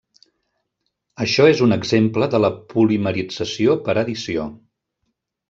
Això és un exemple de la polimerització per addició.